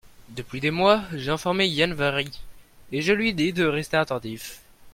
Depuis des mois j'ai informé Yann-Vari, et je lui ai dit de rester attentif.